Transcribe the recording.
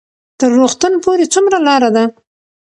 تر روغتون پورې څومره لار ده؟